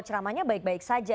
ceramahnya baik baik saja